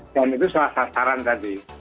dan itu salah sasaran tadi